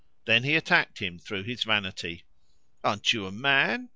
Then he attacked him through his vanity: "Aren't you a man?